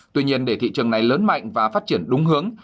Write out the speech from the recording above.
tuy nhiên để thị trường này lớn mạnh và phát triển đúng hướng